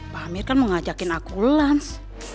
pamir kan mau ngajakin aku lans